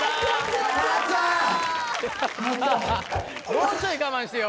もうちょい我慢してよ